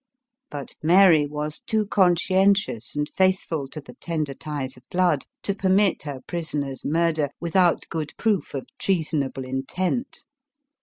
But Mary was too conscientious and faithful to the tender ties of blood, to permit her prisoner's murder without good proof of treasonable intent.